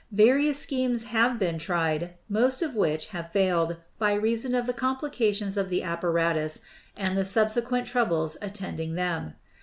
Various schemes have been tried, most of which have failed by reason of the complications of the apparatus and the consequent troubles attending them.